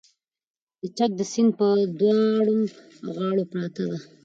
د چک د سیند پر دواړو غاړو پرته ده